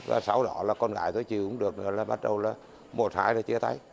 và sau đó là con gái tôi chịu cũng được rồi là bắt đầu là một hai rồi chia tay